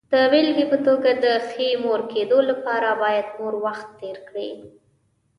د بېلګې په توګه، د ښې مور کېدو لپاره باید مور وخت تېر کړي.